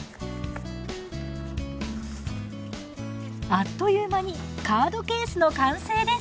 あっという間にカードケースの完成です！